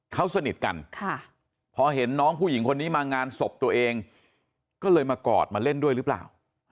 เขาสนิทกันพอเห็นน้องผู้หญิงคนนี้มางานศพตัวเองก็เลยมากอดมาเล่นด้วยหรือเปล่า